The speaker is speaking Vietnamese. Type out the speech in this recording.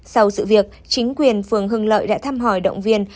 sau sự việc chính quyền phường hưng lợi đã thăm hỏi động viên